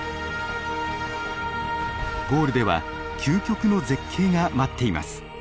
ゴールでは究極の絶景が待っています。